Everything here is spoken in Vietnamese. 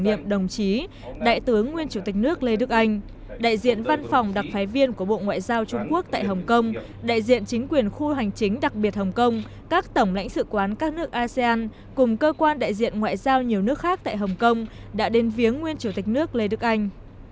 đại tướng nguyên chủ tịch nước lê đức anh đại diện văn phòng đặc phái viên của bộ ngoại giao trung quốc tại hồng kông đại diện chính quyền khu hành chính đặc biệt hồng kông các tổng lãnh sự quán các nước asean cùng cơ quan đại diện ngoại giao nhiều nước khác tại hồng kông đã đến viếng nguyên chủ tịch nước lê đức anh